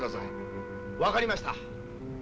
分かりました。